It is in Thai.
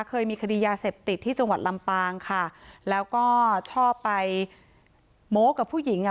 เคยมีคดียาเสพติดที่จังหวัดลำปางค่ะแล้วก็ชอบไปโม้กับผู้หญิงอ่ะ